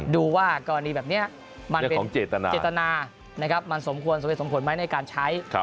ดูว่ากรณีแบบนี้มันเป็นเจตนามันสมควรสำเร็จสมผลไหมในการใช้